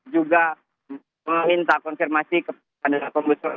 juga meminta konfirmasi kepada pembusuk